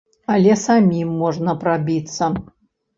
Але самім можна прабіцца.